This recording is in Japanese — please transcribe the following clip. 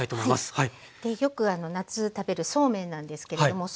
はい。